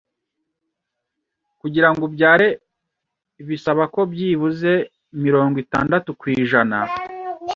Kugirango ubyare bisaba ko byibuze mirongo itandatu kw’ijana